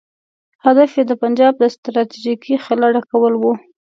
هدف یې د پنجاب د ستراتیژیکې خلا ډکول وو.